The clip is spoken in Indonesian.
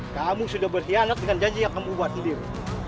kamu sudah berkhianat dengan janji yang kamu buat sendiri